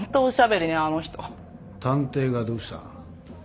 探偵がどうした？